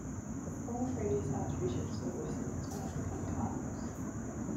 All previous Archbishops of Westminster have become Cardinals.